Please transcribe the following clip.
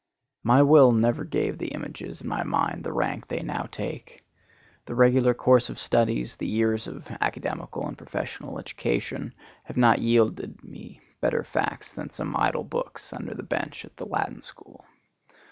My will never gave the images in my mind the rank they now take. The regular course of studies, the years of academical and professional education have not yielded me better facts than some idle books under the bench at the Latin School.